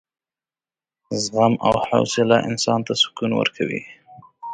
زغم او حوصله انسان ته سکون ورکوي.